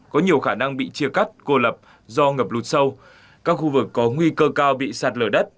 có nhiều khả năng bị chia cắt cô lập do ngập lụt sâu các khu vực có nguy cơ cao bị sạt lở đất